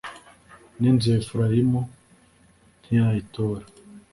n’inzu ya Efurayimu ntiyayitora